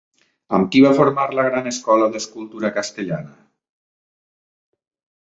Amb qui va formar la gran escola d'escultura castellana?